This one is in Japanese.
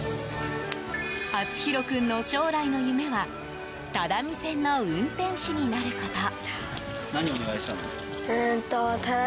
淳紘君の将来の夢は只見線の運転士になること。